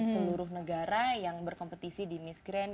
seluruh negara yang berkompetisi di miss grand